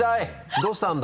どうしたんだ？